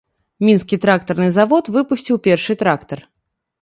Мінскі трактарны завод выпусціў першы трактар.